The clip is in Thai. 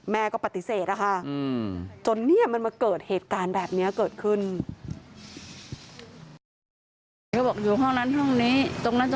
แม่ก็ปฏิเสธจนเกิดเหตุการณ์แบบนี้เกิดขึ้น